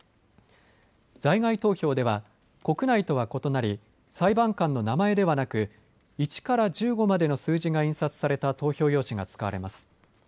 在外投票では国内とは異なり裁判官の名前ではなく１から１５までの数字が印刷された投票用紙が使われます。